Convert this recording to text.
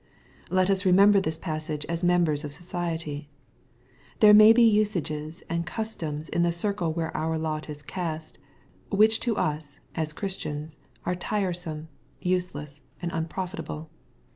Let us remember this passage as members of society. There may be usages and customs in the circle where our lot is cast, which to us, as Christians, are tiresome, use less, and unprofitable.